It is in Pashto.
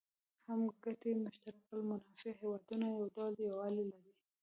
هم ګټي مشترک المنافع هېوادونه یو ډول یووالی لري.